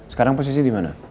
sekarang posisi dimana